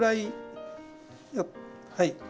はい。